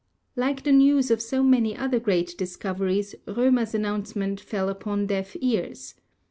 Like the news of so many other great discoveries, Romer's announcement fell upon deaf ears.